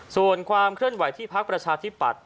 ส่วนความเคลื่อนไหวที่พักประชาธิปัตย